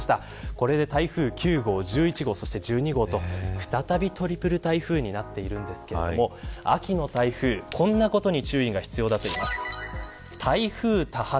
これで台風９号１１号、１２号と再びトリプル台風になっているんですが秋の台風こんなことに注意が必要です。